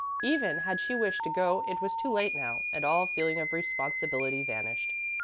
Even had she wished to go it was too late now, and all feeling of responsibility vanished.